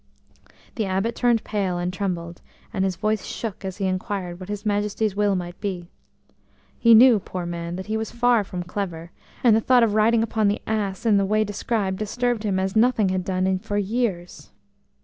The Abbot turned pale and trembled, and his voice shook as he inquired what his Majesty's will might be. He knew, poor man, that he was far from clever, and the thought of riding upon the ass in the way described disturbed him as nothing had done for years.